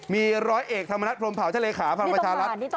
มีร้อยเอกธรรมนัฏภรมเผาทะเลขาภารกชาติรับ